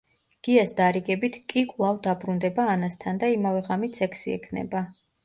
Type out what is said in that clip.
გიას დარიგებით კი კვლავ დაბრუნდება ანასთან და იმავე ღამით სექსი ექნება.